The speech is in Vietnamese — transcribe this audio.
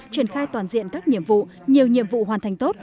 triển khai toàn diện các nhiệm vụ nhiều nhiệm vụ hoàn thành tốt